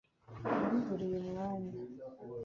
nabiburiye umwanya